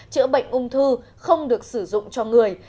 chữa bệnh ung thư không được sử dụng cho người